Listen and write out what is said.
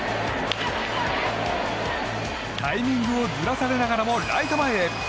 タイミングをずらされながらもライト前へ。